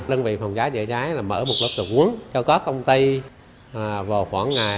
đơn vị phòng cháy chữa cháy là mở một lớp tập huấn cho các công ty vào khoảng ngày